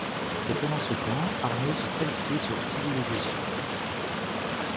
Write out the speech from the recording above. Et pendant ce temps Arnaud se salissait sur Civilization.